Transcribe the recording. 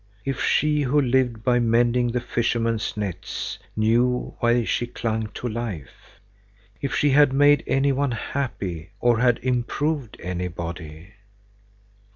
If she, who lived by mending the fishermen's nets, knew why she clung so to life! If she had made any one happy or had improved anybody!